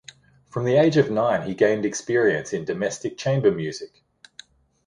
From the age of nine he gained experience in domestic chamber music.